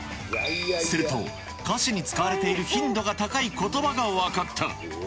すると、歌詞に使われている頻度が高いことばが分かった。